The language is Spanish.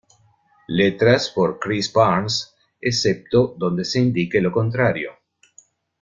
Letras por Chris Barnes, excepto donde se indique lo contrario.